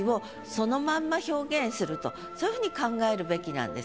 そういうふうに考えるべきなんです。